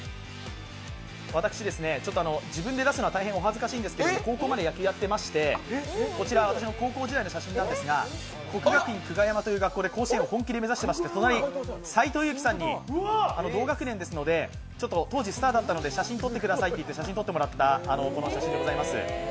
私、自分で出すのは大変お恥ずかしいんですけど高校まで野球やっていまして、こちら私の高校時代の写真なんですが、国学院久我山という学校で甲子園を本気で目指していまして、隣、斎藤佑樹さんに同学年ですので当時スターだったので写真撮ってくださいと言って写真を撮ってもらったものです。